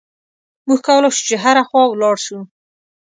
موږ کولای شو چې هره خوا ولاړ شو.